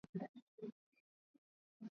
Mapishi ya viazi na majani yake